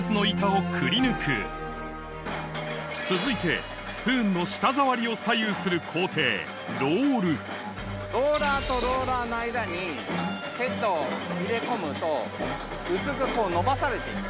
続いてスプーンの舌触りを左右する工程ロールローラーとローラーの間にヘッドを入れ込むと薄くのばされて行く。